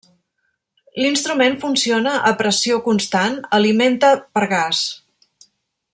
L'instrument funciona a pressió constant, alimenta per gas.